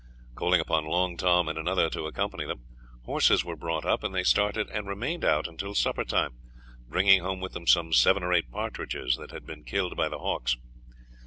Calling upon Long Tom and another to accompany them, horses were brought up, and they started and remained out until supper time, bringing home with them some seven or eight partridges that had been killed by the hawks.